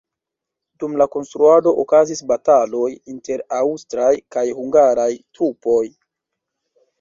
Dum la konstruado okazis bataloj inter aŭstraj kaj hungaraj trupoj.